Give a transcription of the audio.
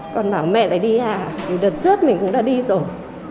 con bảo mẹ lại đi à thì đợt trước mình cũng đã đi rồi